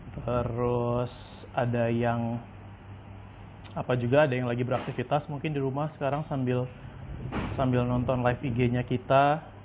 terus ada yang lagi beraktifitas mungkin di rumah sekarang sambil nonton live ignya kita